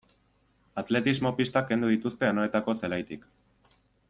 Atletismo-pistak kendu dituzte Anoetako zelaitik.